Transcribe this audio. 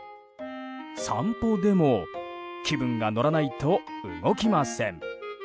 散歩でも気分が乗らないと動きません。